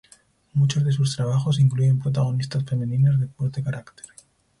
Muchos de sus trabajos incluyen protagonistas femeninas de fuerte carácter.